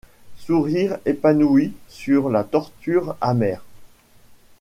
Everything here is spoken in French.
Sourire épanoui sur la torture amère!